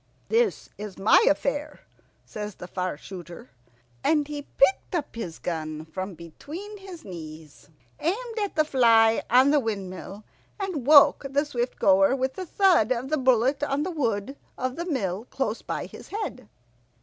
"This is my affair," says the Far shooter, and he picked up his gun from between his knees, aimed at the fly on the windmill, and woke the Swift goer with the thud of the bullet on the wood of the mill close by his head.